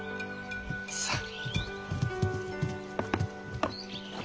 さあ。